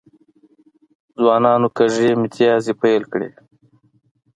ځوانانو کږې میتیازې پیل کړي.